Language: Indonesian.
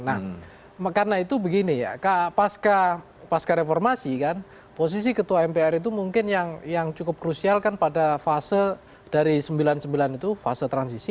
nah karena itu begini ya pasca reformasi kan posisi ketua mpr itu mungkin yang cukup krusial kan pada fase dari sembilan puluh sembilan itu fase transisi